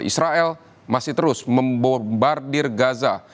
israel masih terus membombardir gaza